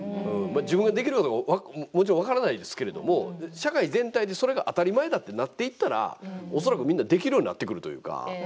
自分ができるのかもちろん分からないですけれども社会全体で、それが当たり前だってなっていったら恐らく、みんなできるようになってくるというか。